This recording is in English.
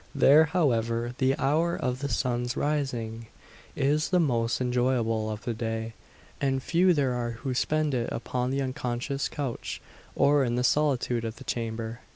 There, however, the hour of the sun's rising is the most enjoyable of the day; and few there are who spend it upon the unconscious couch, or in the solitude of the chamber.